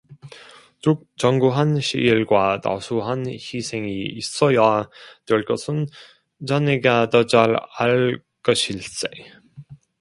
즉 장구한 시일과 다수한 희생이 있어야 될 것은 자네가 더 잘 알 것일세.